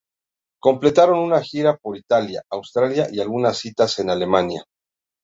Completaron una gira por Italia, Australia y algunas citas en Alemania.